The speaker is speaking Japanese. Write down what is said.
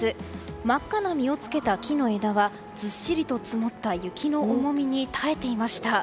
真っ赤な実をつけた木の枝はずっしりと積もった雪の重みに耐えていました。